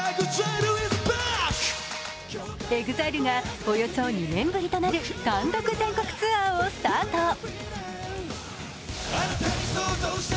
ＥＸＩＬＥがおよそ２年ぶりとなる単独全国ツアーをスタート。